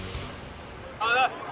おはようございます。